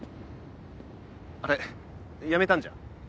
あれやめたんじゃ？